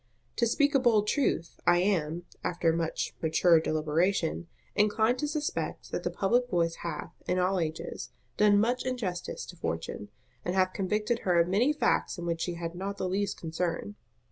To speak a bold truth, I am, after much mature deliberation, inclined to suspect that the public voice hath, in all ages, done much injustice to Fortune, and hath convicted her of many facts in which she had not the least concern.